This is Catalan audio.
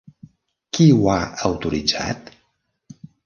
Qui ho ha autoritzat?